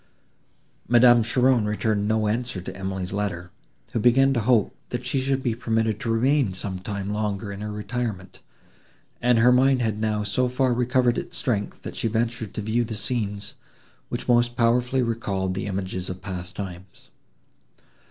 Madame Cheron returned no answer to Emily's letter, who began to hope, that she should be permitted to remain some time longer in her retirement, and her mind had now so far recovered its strength, that she ventured to view the scenes, which most powerfully recalled the images of past times.